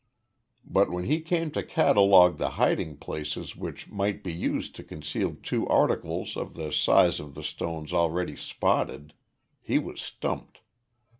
But when he came to catalog the hiding places which might be used to conceal two articles of the size of the stones already spotted, he was stumped.